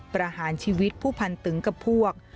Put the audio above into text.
ประหารชีวิตผู้พันตึงกับพวก